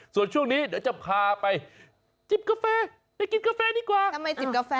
ส่วนช่วงนี้เดี๋ยวจะพาไปกินกาแฟ